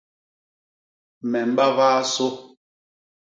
Me mbabaa sô.